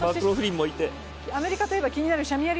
アメリカといえば気になるシャミア・